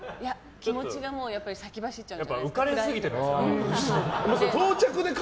気持ちが先走っちゃって。